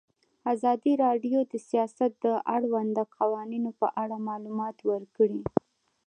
ازادي راډیو د سیاست د اړونده قوانینو په اړه معلومات ورکړي.